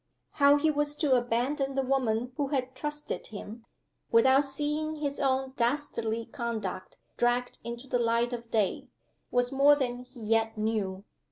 How he was to abandon the woman who had trusted him, without seeing his own dastardly conduct dragged into the light of day, was more than he yet knew.